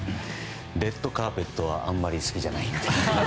レッドカーペットはあんまり好きじゃないって。